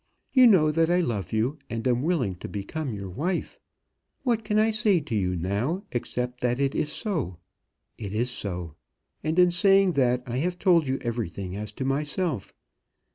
You know that I love you, and am willing to become your wife. What can I say to you now, except that it is so. It is so. And in saying that, I have told you everything as to myself.